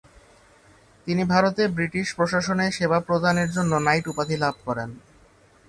তিনি ভারতে ব্রিটিশ প্রশাসনে সেবা প্রদানের জন্য নাইট উপাধি লাভ করেন।